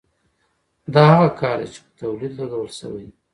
دا هغه کار دی چې په تولید لګول شوی دی